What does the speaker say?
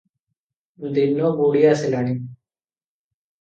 ଦିନ ବୁଡ଼ିଆସିଲାଣି ।